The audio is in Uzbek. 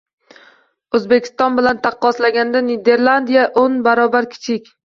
O‘zbekiston bilan taqqoslaganda Niderlandiya o'n barobar kichik.